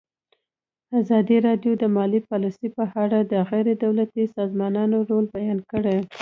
ازادي راډیو د مالي پالیسي په اړه د غیر دولتي سازمانونو رول بیان کړی.